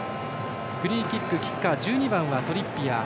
フリーキック、キッカーは１２番、トリッピアー。